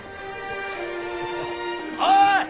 おい！